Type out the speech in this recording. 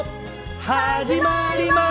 始まります！